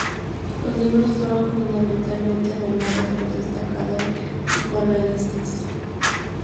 Los libros fueron fundamentalmente donados por destacados psicoanalistas.